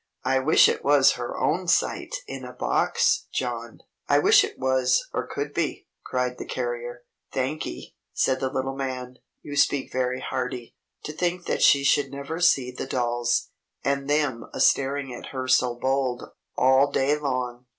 I wish it was her own sight in a box, John!" "I wish it was, or could be," cried the carrier. "Thankee," said the little man. "You speak very hearty. To think that she should never see the dolls and them a staring at her so bold, all day long!